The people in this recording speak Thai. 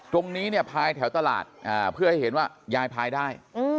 ตรงนี้เนี่ยพายแถวตลาดเพื่อให้เห็นว่ายายพายได้